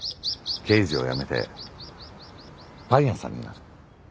刑事を辞めてパン屋さんになる。